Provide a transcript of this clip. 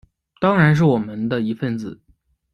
当然是我们的一分子